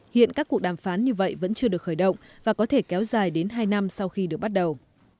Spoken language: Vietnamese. hiện các cuộc đàm phán như vậy vẫn chưa được khởi động và có thể kéo dài đến hai năm sau khi được bắt đầu